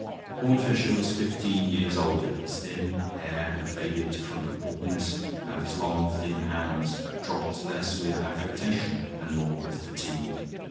Horne Fisher was fifteen years older; his thin hair had faded to frontal baldness, and his long, thin hands dropped less with affectation and more with fatigue.